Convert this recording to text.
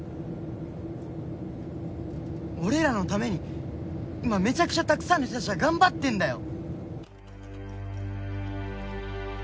俺らのために今めちゃくちゃたくさんの人たちが頑張ってんだよ！